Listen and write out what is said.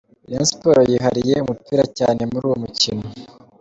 Rayon Sport yihariye umupira cyane muri uwo mukino.